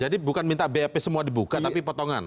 jadi bukan minta bap semua dibuka tapi potongan